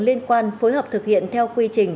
liên quan phối hợp thực hiện theo quy trình